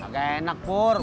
agak enak pur